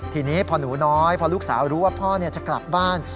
ทีนี้พอหนูน้อยพอลูกสาวรู้ว่าพ่อจะกลับบ้าน